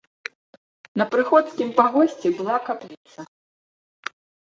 На прыходскім пагосце была капліца.